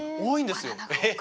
多いんですよ。